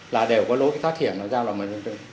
là đều có lối thoát hiểm nó ra vào mọi nhân dân